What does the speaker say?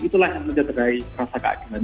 itulah yang mencederai rasa keadilan